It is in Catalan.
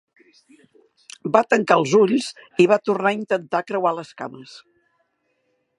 Va tancar els ulls i va tornar a intentar creuar les cames.